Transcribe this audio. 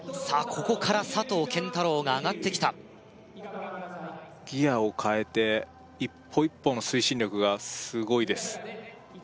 ここから佐藤拳太郎が上がってきたギアを変えて一歩一歩の推進力がすごいです